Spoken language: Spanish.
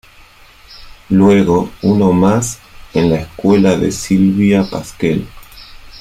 Luego uno más en la escuela de Sylvia Pasquel.